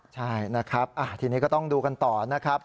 ใช่นะครับทีนี้ก็ต้องดูกันต่อนะครับ